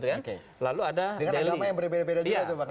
dengan agama yang berbeda beda juga itu bang rai